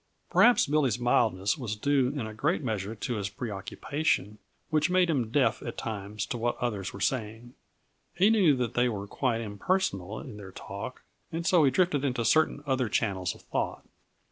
Perhaps Billy's mildness was due in a great measure to his preoccupation, which made him deaf at times to what the others were saying. He knew that they were quite impersonal in their talk, and so he drifted into certain other channels of thought.